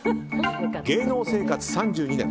芸能生活３２年